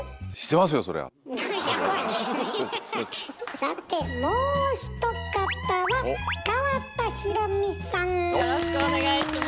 さてもう一方はよろしくお願いします。